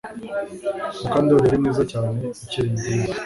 Mukandoli yari mwiza cyane akiri ingimbi